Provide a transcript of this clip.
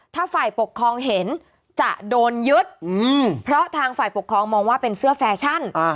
ถ้าฝ่ายปกครองเห็นจะโดนยึดเพราะทางฝ่ายปกครองมองว่าเป็นเสื้อแฟชั่น